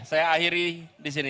saya akhiri disini